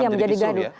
iya menjadi gaduh